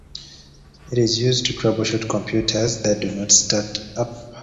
It is used to troubleshoot computers that do not start up.